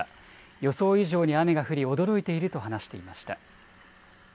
予想以上に雨が降り、驚いていると話していました。